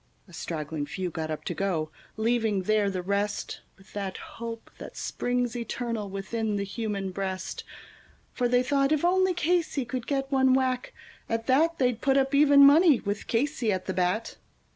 A straggling few got up to go, leaving there the rest With that hope that springs eternal within the human breast; For they thought if only Casey could get one whack, at that They'd put up even money, with Casey at the bat.